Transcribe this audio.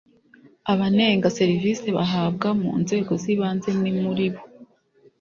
Abanenga serivisi bahabwa mu nzego z’ ibanze ni muri bo